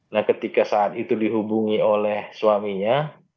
nah ketika saat itu dihubungi oleh suaminya